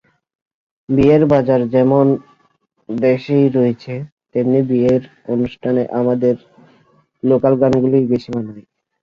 বিয়ের বাজার যেমন দেশেই রয়েছে, তেমনি বিয়ের অনুষ্ঠানে আমাদের লোকগানগুলোই বেশি মানানসই।